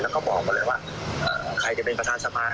แล้วก็บอกมาเลยว่าใครจะเป็นประธานสภา